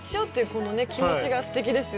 このね気持ちがすてきですよね。